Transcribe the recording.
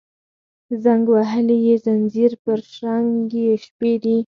زنګ وهلي یې ځینځیر پر شرنګ یې شپې دي